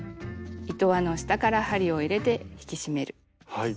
はい。